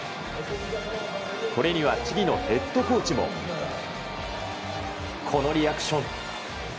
これにはチリのヘッドコーチもこのリアクション。